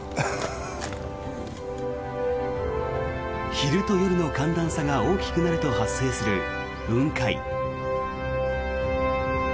昼と夜の寒暖差が大きくなると発生する雲海。